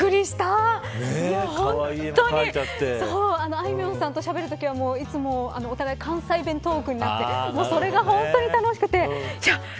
あいみょんさんとしゃべるときはお互い関西弁トークになってそれが本当に楽しくて。